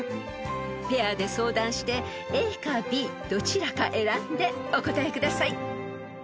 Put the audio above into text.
［ペアで相談してＡかＢどちらか選んでお答えください］